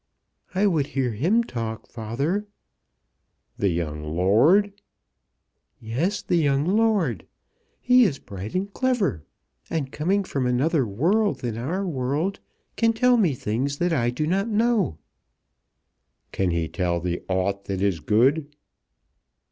"I would hear him talk, father." "The young lord?" "Yes; the young lord. He is bright and clever, and, coming from another world than our world, can tell me things that I do not know." "Can he tell thee aught that is good?"